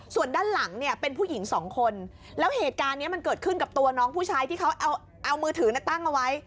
ส่วนด้านหลังเนี่ยเป็นผู้หญิงสองคนแล้วเหตุการณ์นี้มันเกิดขึ้นกับตัวน้องผู้ชายที่เขาเอามือถือตั้งเอาไว้